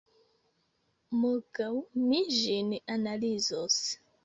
Morgaŭ mi ĝin analizos.